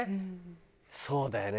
そうだよね。